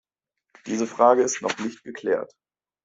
Diese Frage ist noch nicht geklärt.